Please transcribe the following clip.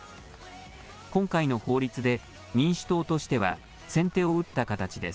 今回の法律で、民主党としては先手を打った形です。